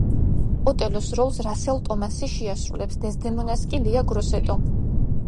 ოტელოს როლს რასელ ტომასი შეასრულებს, დეზდემონას კი – ლეა გროსეტო.